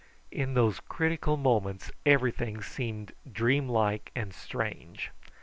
In those critical moments everything seemed dream like and strange.